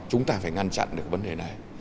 chúng ta phải ngăn chặn được vấn đề này